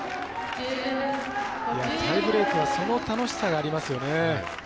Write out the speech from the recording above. タイブレークはその楽しさがありますよね。